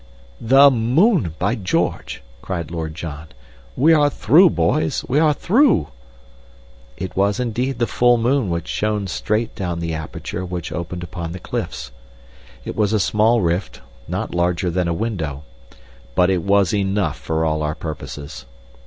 "The moon, by George!" cried Lord John. "We are through, boys! We are through!" It was indeed the full moon which shone straight down the aperture which opened upon the cliffs. It was a small rift, not larger than a window, but it was enough for all our purposes.